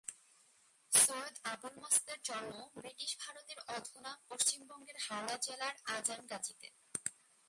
সৈয়দ আবুল মাসুদের জন্ম বৃটিশ ভারতের অধুনা পশ্চিমবঙ্গের হাওড়া জেলার আজানগাজিতে।